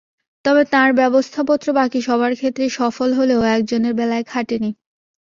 তবে তাঁর ব্যবস্থাপত্র বাকি সবার ক্ষেত্রে সফল হলেও একজনের বেলায় খাটেনি।